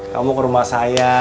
kamu ke rumah saya